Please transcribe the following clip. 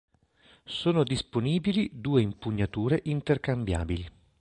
Sono disponibili due impugnature intercambiabili.